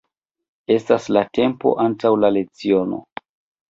Estas la tempo antaŭ la leciono.